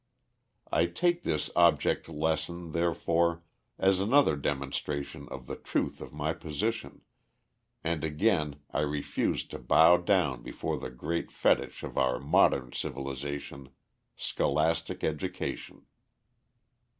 I take this object lesson, therefore, as another demonstration of the truth of my position, and again I refuse to bow down before the great fetich of our modern civilization "scholastic education."